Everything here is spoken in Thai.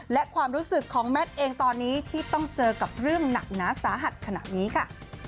และความรู้สึกของแมทเองตอนนี้ที่ต้องเจอกับเรื่องหนักหนาสาหัสขณะนี้ค่ะ